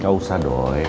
gak usah doi